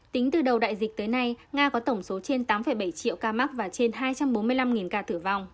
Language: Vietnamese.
tính từ đầu đại dịch tới nay nga có tổng số trên tám bảy triệu ca mắc và trên hai trăm bốn mươi năm ca tử vong